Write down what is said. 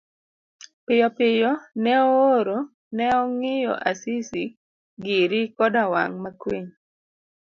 Piyopiyo ne ooro ne ong'iyo Asisi giri koda wang makwiny.